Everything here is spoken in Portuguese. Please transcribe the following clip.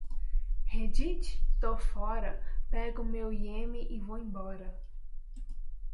Reddit? Tô fora. Pego meu lemmy e vou embora.